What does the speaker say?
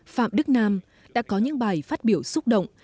phạm đức nam đã có những bài phát biểu xúc động